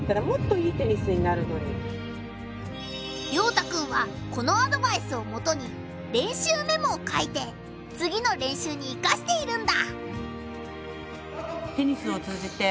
凌大くんはこのアドバイスをもとに練習メモを書いて次の練習に生かしているんだ。